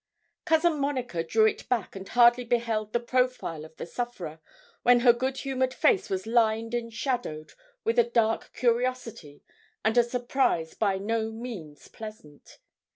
Cousin Monica drew it back and hardly beheld the profile of the sufferer, when her good humoured face was lined and shadowed with a dark curiosity and a surprise by no means pleasant.